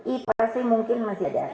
ipa sih mungkin masih ada